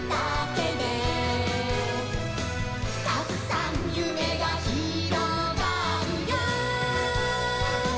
「たくさんゆめがひろがるよ」